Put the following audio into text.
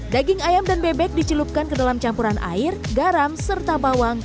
daging ayam dan bebek dicelupkan ke dalam campuran air garam serta bawang